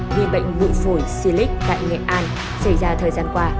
nghiên bệnh ngụy phổi xy lích tại nghệ an xảy ra thời gian qua